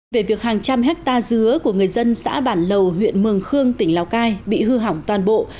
về việc hàng trăm hectare dứa của người dân xã bản lầu huyện mường khương tỉnh lào cai bị hư hỏng toàn bộ